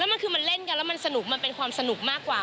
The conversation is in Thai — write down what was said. มันคือมันเล่นกันแล้วมันสนุกมันเป็นความสนุกมากกว่า